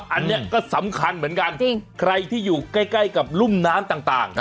อันนี้ก็สำคัญเหมือนกันใครที่อยู่ใกล้กับรุ่มน้ำต่าง